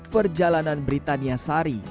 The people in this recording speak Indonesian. perjalanan britania sari